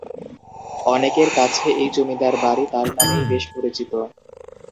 অনেকের কাছে এই জমিদার বাড়ি তার নামেই বেশ পরিচিত।